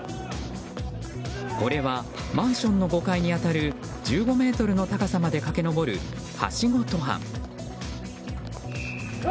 これはマンションの５階に当たる１５ｍの高さまで駆け上るはしご登はん。